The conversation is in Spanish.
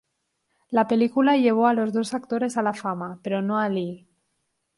La película llevó a los dos actores a la fama, pero no a Lee.